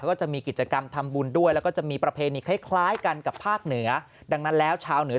ก็จะมีกิจกรรมทำบุญด้วยแล้วก็จะมีประเพณีคล้ายคล้ายกันกับภาคเหนือดังนั้นแล้วชาวเหนือ